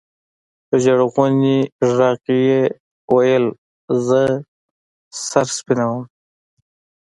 په ژړغوني ږغ يې ويل زه سر سپينومه.